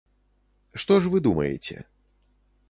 Што ж вы думаеце?